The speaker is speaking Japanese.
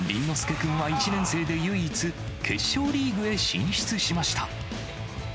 君は１年生で唯一、決勝リーグへ進出しました。